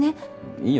いいよ